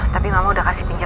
tapi mama udah kasih pinjam